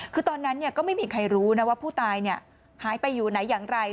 คือตอนนั้นก็ไม่มีใครรู้นะว่าผู้ตายหายไปอยู่ไหนอย่างไร